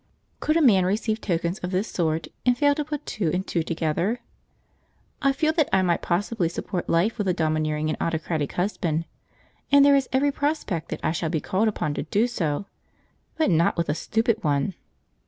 Could a man receive tokens of this sort and fail to put two and two together? I feel that I might possibly support life with a domineering and autocratic husband, and there is every prospect that I shall be called upon to do so, but not with a stupid one.